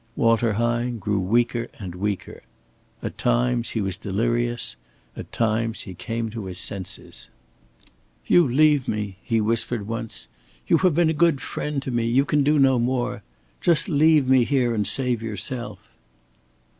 Walter Hine grew weaker and weaker. At times he was delirious; at times he came to his senses. "You leave me," he whispered once. "You have been a good friend to me. You can do no more. Just leave me here, and save yourself."